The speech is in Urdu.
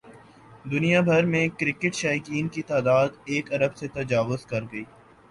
دنیا بھر میں کرکٹ شائقین کی تعداد ایک ارب سے تجاوز کر گئی